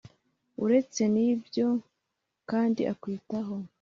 uretse n ibyo kandi akwitaho